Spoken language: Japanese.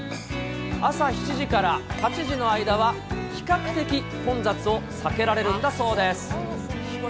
朝７時から８時の間は、比較的混雑を避けられるんだそうです。